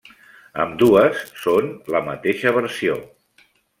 Ambdues són la mateixa versió.